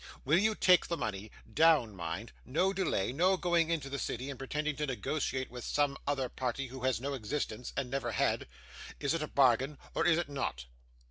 Will you take the money down, mind; no delay, no going into the city and pretending to negotiate with some other party who has no existence, and never had. Is it a bargain, or is it not?